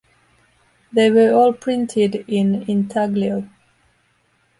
They were all printed in intaglio.